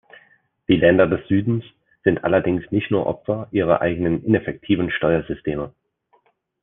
Die Länder des Südens sind allerdings nicht nur Opfer ihrer eigenen ineffektiven Steuersysteme.